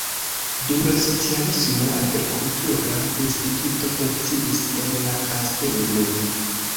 Dum la socialismo agrikultura instituto funkciis en la kastelo.